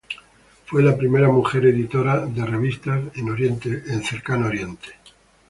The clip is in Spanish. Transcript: Fue la primera mujer editora de revistas en Oriente Próximo.